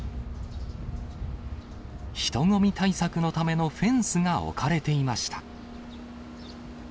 人混み対策のためのフェンスが置かれていました。